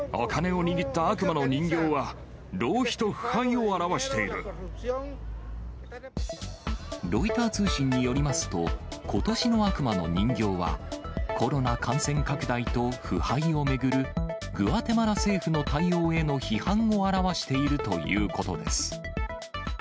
お金を握った悪魔の人形は、ロイター通信によりますと、ことしの悪魔の人形は、コロナ感染拡大と腐敗を巡る、グアテマラ政府の対応への批判を表しているということです。